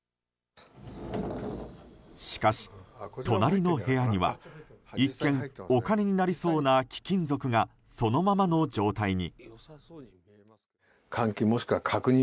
しかし、隣の部屋には一見お金になりそうな貴金属がそのままの状態に。